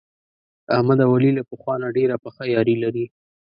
احمد او علي له پخوا نه ډېره پخه یاري لري.